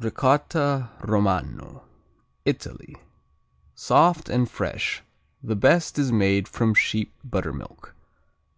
Ricotta Romano Italy Soft and fresh. The best is made from sheep buttermilk.